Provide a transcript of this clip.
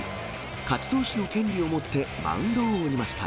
勝ち投手の権利を持って、マウンドを降りました。